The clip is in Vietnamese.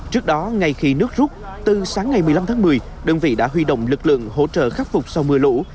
trước đó ngay khi nước rút từ sáng ngày một mươi năm tháng một mươi đơn vị đã huy động lực lượng hỗ trợ khắc phục sau mưa lũ